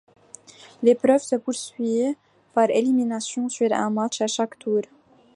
L'épreuve se poursuit par élimination sur un match à chaque tour.